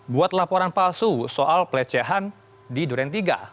buat laporan palsu soal pelecehan di duren tiga